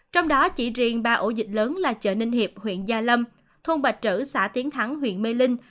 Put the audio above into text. trong đó chỉ riêng ba ổ dịch lớn là chợ ninh hiệp huyện gia lâm thôn bạch trữ xã tiến thắng huyện mê linh